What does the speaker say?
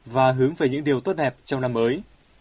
và hướng về những điều tốt đẹp trong năm mới